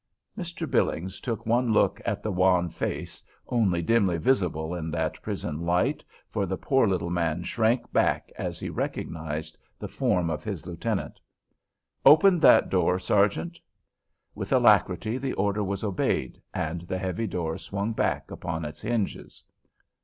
Mr. Billings took one look at the wan face only dimly visible in that prison light, for the poor little man shrank back as he recognized the form of his lieutenant: "Open that door, sergeant." With alacrity the order was obeyed, and the heavy door swung back upon its hinges.